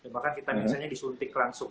bahkan kita biasanya disuntik langsung